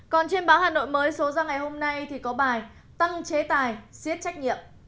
còn trên báo hà nội mới số ra ngày hôm nay thì có bài tăng chế tài siết trách nhiệm